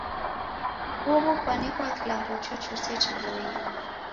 Uw'u kwanekwa kilambo chochose chiboie?